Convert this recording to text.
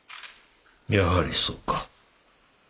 やはりそうか。